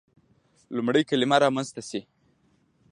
لومړی کلمه رامنځته شي.